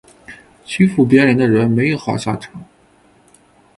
欺负别人的人没有好下场